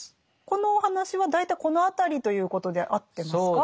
このお話は大体この辺りということで合ってますか？